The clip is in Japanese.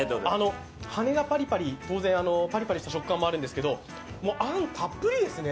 羽根がパリパリ、パリパリとした食感もあるんですけど、あんもいいですね。